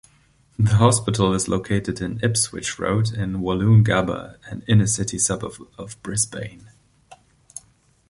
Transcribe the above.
The hospital is located on Ipswich Road in Woolloongabba, an inner-city suburb of Brisbane.